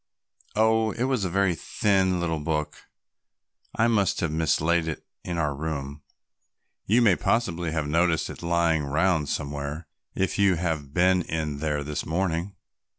"Oh, it was a very thin little book; I must have mislaid it in our room. You may possibly have noticed it lying round somewhere if you have been in there this morning."